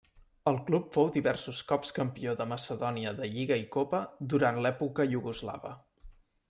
El club fou diversos cops campió de macedònia de lliga i copa durant l'època iugoslava.